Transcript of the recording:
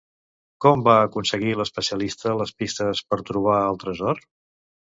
Com va aconseguir l'especialista les pistes per trobar el tresor?